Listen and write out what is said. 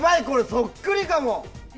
そっくりかも！